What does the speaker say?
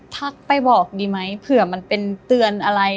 ไปบอกดีไหมเผื่อมันเป็นเตือนอะไร